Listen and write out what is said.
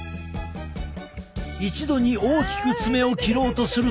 一度に大きく爪を切ろうとすると。